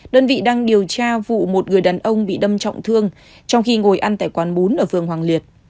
đơn vị đang điều tra vụ một người đàn ông bị đâm trọng thương trong khi ngồi ăn tại quán bún ở phường hoàng liệt